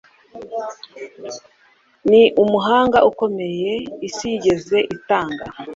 ni umuhanga ukomeye isi yigeze itanga